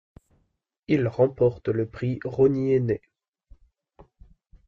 Il remporte le Prix Rosny aîné.